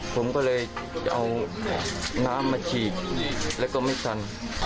ผมก็เลยจะเอาน้ำมาฉีดแล้วก็ไม่ทัน